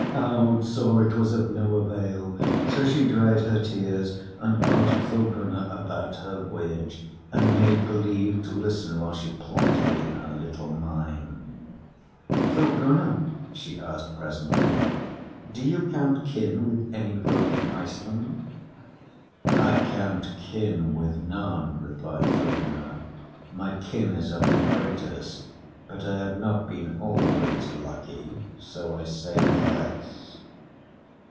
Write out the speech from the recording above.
Aud saw it was of no avail; so she dried her tears, and asked Thorgunna about her voyage, and made believe to listen while she plotted in her little mind. "Thorgunna," she asked presently, "do you count kin with any folk in Iceland?" "I count kin with none," replied Thorgunna. "My kin is of the greatest, but I have not been always lucky, so I say the less."